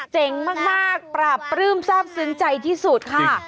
เจ๋งมากปราบปลื้มทราบซึ้งใจที่สุดค่ะ